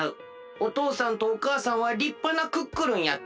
おとうさんとおかあさんはりっぱなクックルンやった。